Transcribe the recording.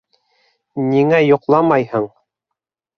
Ниңә йоҡламайһың?